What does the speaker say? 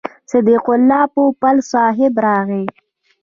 صدیق الله پوپل صاحب راغی.